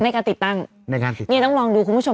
ในการติดตั้งนี่ต้องลองดูคุณผู้ชม